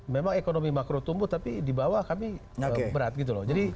memang ekonomi makro tumbuh tapi di bawah kami berat gitu loh